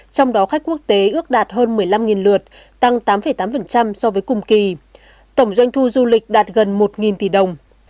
trong đó khách quốc tế ước đạt hơn một mươi năm lượt tăng tám tám so với cùng kỳ tổng doanh thu du lịch đạt gần một tỷ đồng